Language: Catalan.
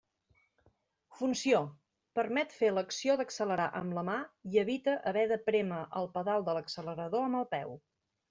Funció: permet fer l'acció d'accelerar amb la mà i evita haver de prémer el pedal de l'accelerador amb el peu.